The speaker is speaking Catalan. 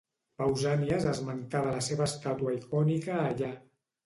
Pausànies esmentava la seva estàtua icònica allà.